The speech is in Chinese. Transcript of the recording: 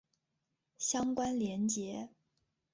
相关连结